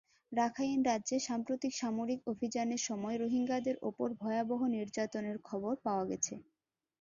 Rakhine রাজ্যে সাম্প্রতিক সামরিক অভিযানের সময় রোহিঙ্গাদের ওপর ভয়াবহ নির্যাতনের খবর পাওয়া গেছে।